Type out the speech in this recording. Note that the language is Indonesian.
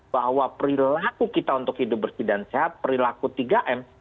bahwa perilaku kita untuk hidup bersih dan sehat perilaku tiga m